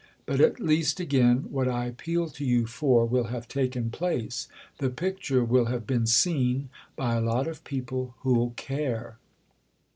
But at least again what I appeal to you for will have taken place—the picture will have been seen by a lot of people who'll care."